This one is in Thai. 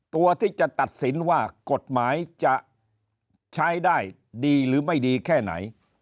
ตัวที่จะตัดสินว่ากฎหมายจะใช้ได้ดีหรือไม่ดีแค่ไหน